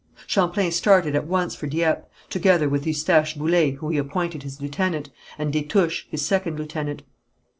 Champlain started at once for Dieppe, together with Eustache Boullé whom he appointed his lieutenant, and Destouches, his second lieutenant.